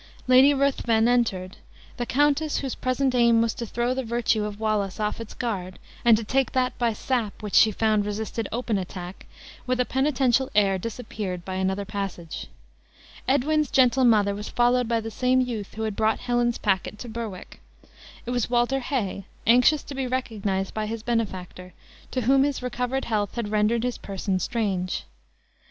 Lady Ruthven entered. The countess, whose present aim was to throw the virtue of Wallace off its guard, and to take that by sap, which she found resisted open attack, with a penitential air disappeared by another passage. Edwin's gentle mother was followed by the same youth who had brought Helen's packet to Berwick. It was Walter Hay, anxious to be recognized by his benefactor, to whom his recovered health had rendered his person strange.